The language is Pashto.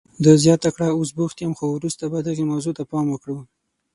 ده زیاته کړه، اوس بوخت یم، خو وروسته به دغې موضوع ته پام وکړم.